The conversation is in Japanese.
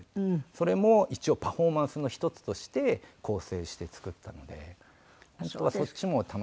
それも一応パフォーマンスの一つとして構成して作ったので本当はそっちも楽しんで。